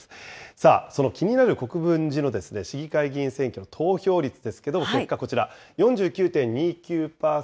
さあ、その気になる国分寺市の市議会議員選挙の投票率ですけど、結果こちら、４９．２９％。